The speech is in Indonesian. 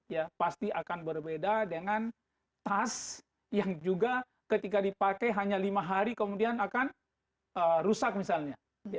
jadi itu pasti akan berbeda dengan tas yang juga ketika dipakai hanya lima hari kemudian akan rusak misalnya